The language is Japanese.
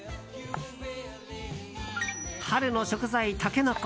春の食材タケノコ。